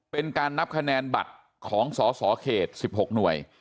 เป็นการนับคะแนนบัตรของสสเขต๑๖หน่วย